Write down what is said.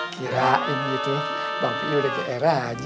kirain gitu bang ropi'i udah ke era aja